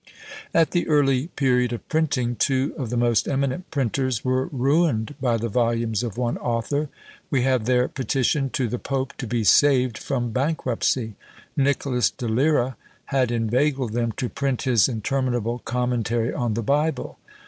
At the early period of printing, two of the most eminent printers were ruined by the volumes of one author; we have their petition to the pope to be saved from bankruptcy. Nicholas de Lyra had inveigled them to print his interminable commentary on the Bible.